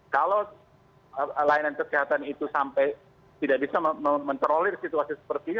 kalau layanan kesehatan itu sampai tidak bisa menterolir situasi seperti ini